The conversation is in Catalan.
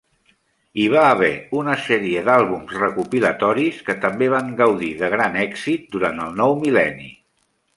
Hi va haver una sèrie d'àlbums recopilatoris que també van gaudir de gran èxit durant el nou mil·lenni.